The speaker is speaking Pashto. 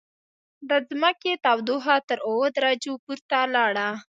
د ځمکې تودوخه تر اووه درجو پورته لاړه.